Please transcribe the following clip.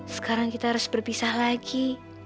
sekarang kita harus berpisah lagi